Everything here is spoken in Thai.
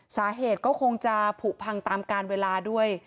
สาเหตุก็คงจะผูกพังตามการเวลาด้วย